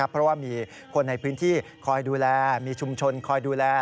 เพราะว่ามีคนในพื้นที่คอยดูแลมีชุมชนคอยดูแล